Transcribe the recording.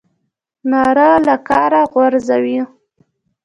ناره له کاره غورځوو.